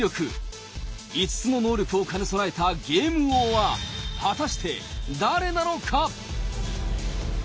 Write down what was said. ５つの能力を兼ね備えたゲーム王は果たして誰なのか！